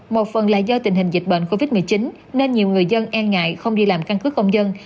một phần là do tình hình dịch bệnh covid một mươi chín nên nhiều người dân e ngại không đi làm căn cứ công dân